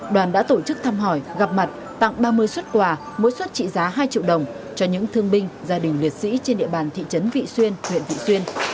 đoàn đã tổ chức thăm hỏi gặp mặt tặng ba mươi xuất quà mỗi xuất trị giá hai triệu đồng cho những thương binh gia đình liệt sĩ trên địa bàn thị trấn vị xuyên huyện vị xuyên